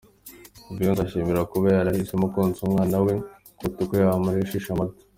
Beyonce ashimirwa kuba yarahisemo konsa umwana we, kuruta uko yamureresha amata.